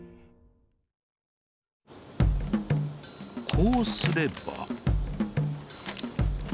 こうすれば。